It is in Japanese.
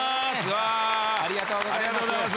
ありがとうございます。